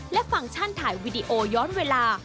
และฟังก์ชั่นถ่ายวีดีโอย้อนเวลา